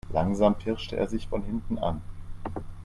Langsam pirschte er sich von hinten an.